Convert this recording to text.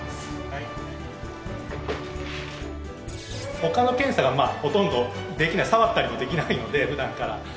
ほかの検査がほとんどできない触ったりもできないのでふだんから。